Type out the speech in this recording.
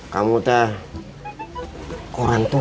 kamu itu orang tua